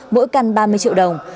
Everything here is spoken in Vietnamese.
mỗi căn ba mươi triệu đồng